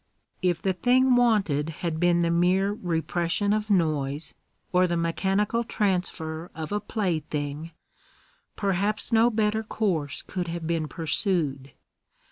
If the thing wanted had been the mere repression of noise, or the mechanical transfer of a plaything, perhaps no better course could have been pursued.